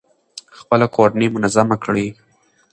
خپله کورنۍ منظمه کړئ.